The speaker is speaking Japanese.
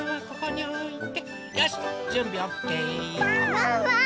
ワンワーン！